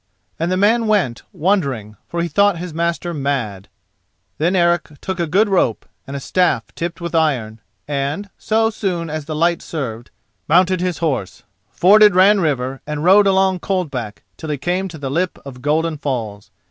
And the man went, wondering, for he thought his master mad. Then Eric took a good rope, and a staff tipped with iron, and, so soon as the light served, mounted his horse, forded Ran River, and rode along Coldback till he came to the lip of Golden Falls.